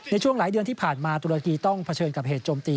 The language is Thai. ในช่วงหลายเดือนที่ผ่านมาตุรกีต้องเผชิญกับเหตุโจมตี